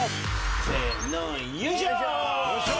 せーのよいしょ！